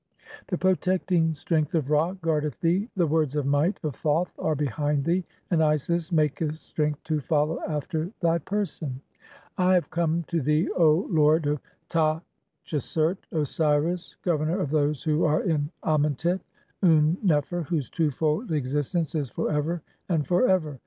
The "protecting strength of Ra guardeth thee, the words of might "of Thoth are behind thee, and Isis maketh strength to follow "after thy person (i3)." 340 THE CHAPTERS OF COMING FORTH BY DAY. "I have come to thee, lord of Ta tchesert, Osiris, Gover nor of those who are in Amentet, Un nefer, whose twofold "existence is for ever and for ever.